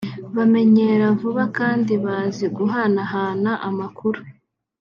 bamenyera vuba kandi bazi guhanahana amakuru